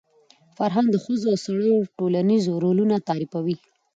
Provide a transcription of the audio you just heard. فرهنګ د ښځو او سړیو ټولنیز رولونه تعریفوي.